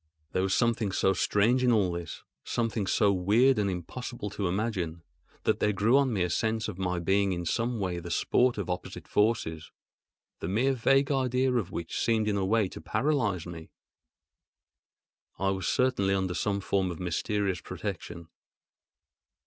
There was something so strange in all this, something so weird and impossible to imagine, that there grew on me a sense of my being in some way the sport of opposite forces—the mere vague idea of which seemed in a way to paralyse me. I was certainly under some form of mysterious protection.